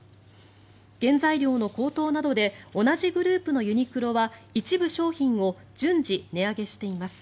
原材料の高騰などで同じグループのユニクロは一部商品を順次、値上げしています。